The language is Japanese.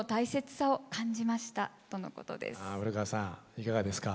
いかがですか。